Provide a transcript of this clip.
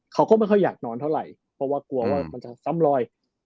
เขาก็ไม่ค่อยอยากนอนเท่าไหร่เพราะว่ากลัวว่ามันจะซ้ำลอย